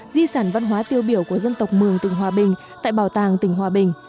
di sản văn hóa tiêu biểu của dân tộc mường tỉnh hòa bình tại bảo tàng tỉnh hòa bình